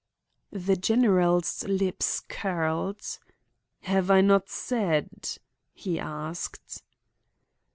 "The general's lips curled. 'Have I not said?' he asked.